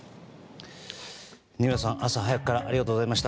二村さん、朝早くからありがとうございました。